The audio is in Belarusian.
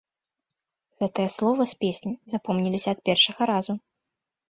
Гэтыя словы з песні запомніліся ад першага разу.